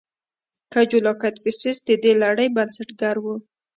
کجولا کدفیسس د دې لړۍ بنسټګر و